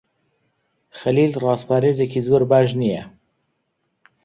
خەلیل ڕازپارێزێکی زۆر باش نییە.